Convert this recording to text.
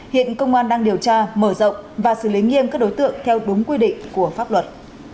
hiện công an đang điều tra mở rộng và xử lý nghiêm các đối tượng theo đúng quy định của pháp luật